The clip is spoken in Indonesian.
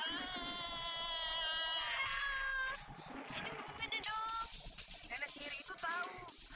nenek sihir itu tahu